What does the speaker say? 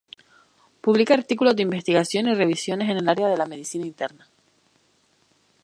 Publica artículos de investigación y revisiones en el área de la medicina interna.